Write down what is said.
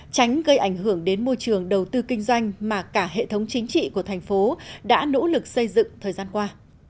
tránh gây ảnh hưởng đến môi trường đầu tư kinh doanh mà cả hệ thống chính trị của thành phố đã nỗ lực xây dựng thời gian qua